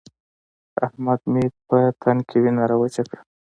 احمد مې په تن کې وينه راوچه کړه.